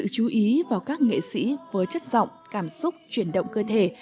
để được chú ý vào các nghệ sĩ với chất giọng cảm xúc chuyển động cơ thể